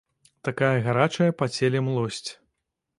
Такая гарачая па целе млосць.